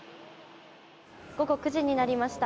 午後９時になりました。